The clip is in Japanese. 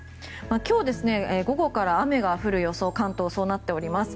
今日、午後から雨が降る予想関東はそうなっております。